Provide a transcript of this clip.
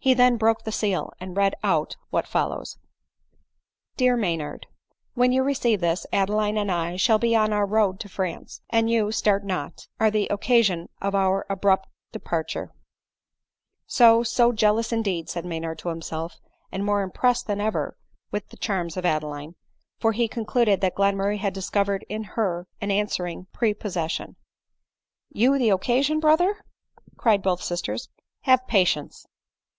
He then broke the seal and read out what follows: "dear maynard, " When you receive this, Adeline and I shall be on our road to France, and you — start not !— are the occa sion of our abrupt departure." ^ 88 ADELINE MOWBRAY. " So, so, jealous indeed," said Maynard to himself, and more impressed than ever with the charms of Adeline ; for he concluded that Glenmurray had discovered in her an answering prepossession. "You the occasion, brother !" cried. both sisters. "Have patience."